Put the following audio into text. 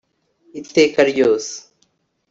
iteka ryose